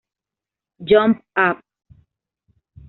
Jump Up!